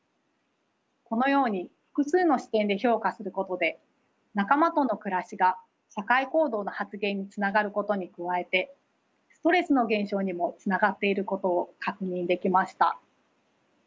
このように複数の視点で評価することで仲間との暮らしが社会行動の発現につながることに加えてストレスの減少にもつながっていることを確認できました。